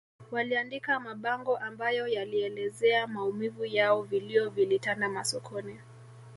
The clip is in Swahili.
Waliandika mabango ambayo yalielezea maumivu yao vilio vilitanda masokoni